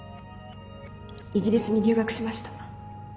イギリスに留学しました。